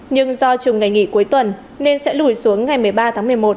nhưng do chùm ngày nghỉ cuối tuần nên sẽ lùi xuống ngày một mươi ba tháng một mươi một